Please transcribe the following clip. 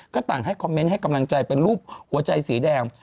ก็ต่างให้คอมเมนต์ให้กำลังใจเป็นรูปหัวใจสีแดง